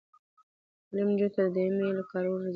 تعلیم نجونو ته د ای میل کارول ور زده کوي.